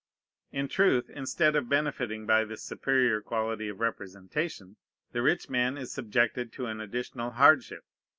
In truth, instead of benefiting by this superior quantity of representation, the rich man is subjected to an additional hardship.